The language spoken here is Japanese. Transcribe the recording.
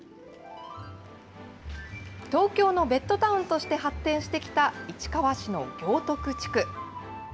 東京のベッドタウンとして発展してきた市川市の行徳地区。